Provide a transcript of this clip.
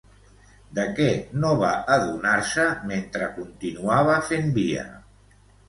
De què no va adonar-se mentre continuava fent via?